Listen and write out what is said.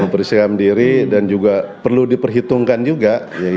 mempersiapkan diri dan juga perlu diperhitungkan juga